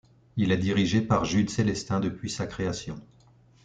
Il est dirigé par Jude Célestin depuis sa création.